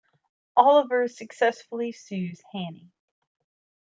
Oliver successfully sues Haney.